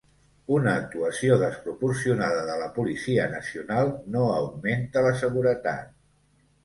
Una actuació desproporcionada de la policia nacional no augmenta la seguretat.